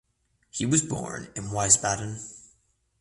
He was born in Wiesbaden.